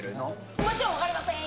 もちろんわかりません。